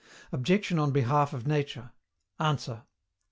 OBJECTION ON BEHALF OF NATURE. ANSWER.